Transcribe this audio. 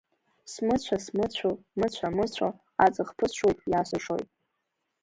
Смыцәа, смыцәо, мыцәа-мыцәо, аҵых ԥысҽуеит, иаасыршоит.